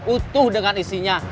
utuh dengan isinya